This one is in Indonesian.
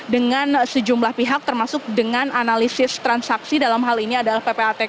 dengan sejumlah pihak termasuk dengan analisis transaksi dalam hal ini adalah ppatk